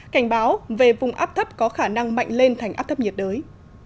cảnh báo về vùng áp thấp có khả năng mạnh lên thành áp thấp nhiệt đới